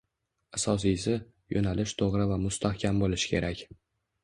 Asosiysi, yoʻnalish toʻgʻri va mustahkam boʻlishi kerak.